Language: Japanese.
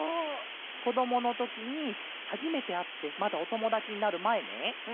こどものときにはじめてあってまだおともだちになるまえね。